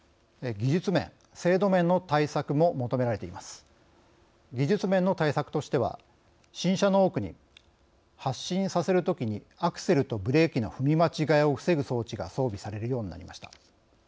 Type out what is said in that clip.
技術面の対策としては新車の多くに発進させるときにアクセルとブレーキの踏み間違いを防ぐ装置が装備されるようになりました。